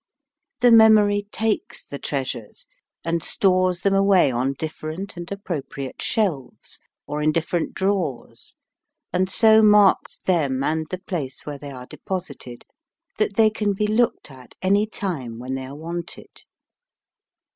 The memory takes the treasures and stores them away on different and appropri ate shelves, or in different drawers, and so marks them and the place where they are deposited, that they can be looked at any time when they are wanted.